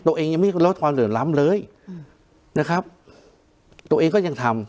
ยังไม่ลดความเหลือล้ำเลยนะครับตัวเองก็ยังทำ